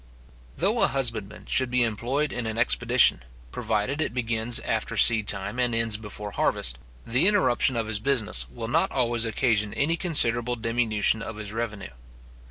Though a husbandman should be employed in an expedition, provided it begins after seedtime, and ends before harvest, the interruption of his business will not always occasion any considerable diminution of his revenue.